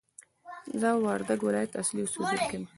زه د وردګ ولایت اصلي اوسېدونکی یم!